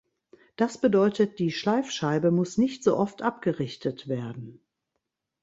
Das bedeutet, die Schleifscheibe muss nicht so oft abgerichtet werden.